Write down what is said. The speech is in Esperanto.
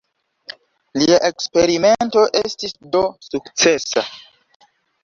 Lia eksperimento estis do sukcesa.